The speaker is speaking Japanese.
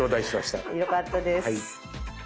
よかったです。